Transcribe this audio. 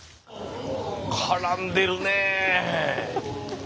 絡んでるね！